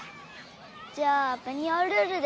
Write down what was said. じゃあベニオルールで！